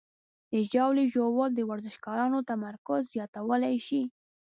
د ژاولې ژوول د ورزشکارانو تمرکز زیاتولی شي.